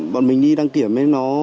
bọn mình đi đăng kiểm em nó